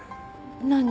何？